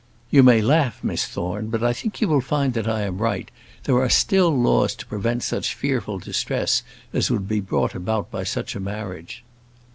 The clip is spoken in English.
"You may laugh, Miss Thorne, but I think you will find that I am right. There are still laws to prevent such fearful distress as would be brought about by such a marriage."